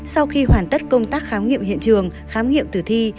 sau khi hoàn tất công tác khám nghiệm hiện trường khám nghiệm tử thi